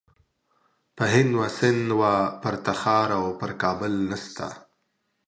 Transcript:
په هند و سند و پر تخار او پر کابل نسته.